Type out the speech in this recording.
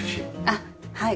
あっはい。